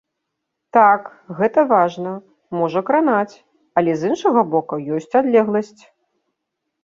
Так, гэта важна, можа кранаць, але з іншага бока ёсць адлегласць.